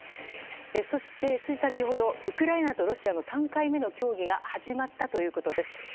そして、つい先ほどウクライナとロシアの３回目の協議が始まったということです。